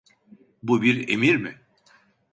Bu bir emir mi?